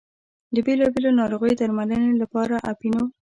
د بېلا بېلو ناروغیو د درملنې لپاره اپینو.